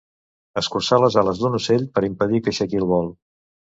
Escurçar les ales d'un ocell per impedir que aixequi el vol.